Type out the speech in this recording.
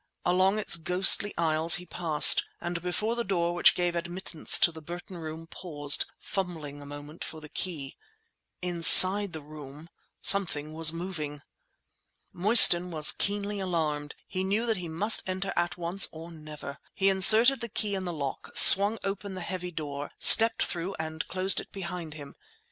Along its ghostly aisles he passed, and before the door which gave admittance to the Burton Room paused, fumbling a moment for the key. Inside the room something was moving! Mostyn was keenly alarmed; he knew that he must enter at once or never. He inserted the key in the lock, swung open the heavy door, stepped through and closed it behind him.